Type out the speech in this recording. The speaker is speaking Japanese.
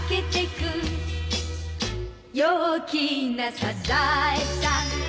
「陽気なサザエさん」